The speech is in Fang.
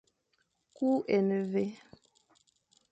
Ku é ne mvè.